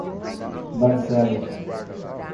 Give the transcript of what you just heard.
Barcelos